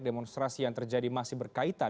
demonstrasi yang terjadi masih berkaitan